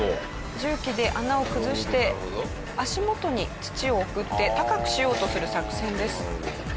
重機で穴を崩して足元に土を送って高くしようとする作戦です。